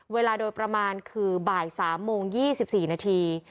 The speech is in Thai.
เวลาโดยประมาณคือบ่ายสามโมงยี่สิบสี่นาที